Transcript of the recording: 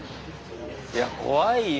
いや怖いよ。